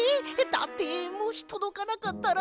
だってもしとどかなかったら。